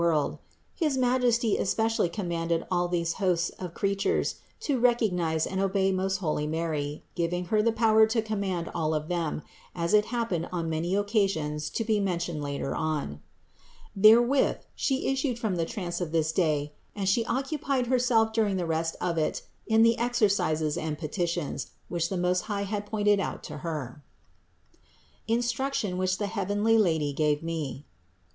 And his Majesty especially commanded all these hosts of creatures to recognize and obey most holy Mary, giving Her the power to command all of them, as it happened on many occasions to be mentioned later on (No. 185, 431, 636). Therewith She issued from the trance of this day and She occupied Herself during the rest of it in the exercises and petitions, which the Most High had pointed out to Her. INSTRUCTION WHICH THE HEAVENLY LADY GAVE ME.